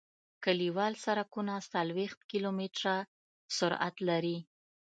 کلیوال سرکونه څلویښت کیلومتره سرعت لري